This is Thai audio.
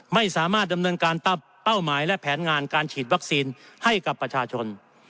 ไม่สามารถดำเนินการตามเป้าหมายและแผนงานการฉีดวัคซีนให้กับประชาชน